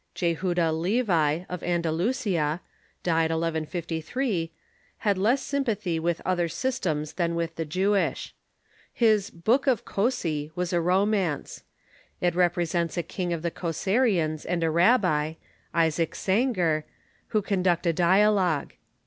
Jehuda Levi, of Andalusia (died 1153), had less sympathy with other systems than Avith the Jewish. His " Book of Cossi " was a romance. It represents a king of the Cosarjeans and a rabbi, Isaac Sangar, who conduct a dialogue.